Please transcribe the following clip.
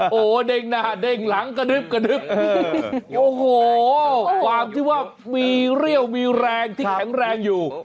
โอ้โหเด้งหน้าเด้งหลังกระดึบกระดึบโอ้โหความที่ว่ามีเรี่ยวมีแรงที่แข็งแรงอยู่